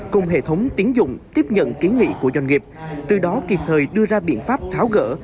cùng hệ thống tiến dụng tiếp nhận kiến nghị của doanh nghiệp từ đó kịp thời đưa ra biện pháp tháo gỡ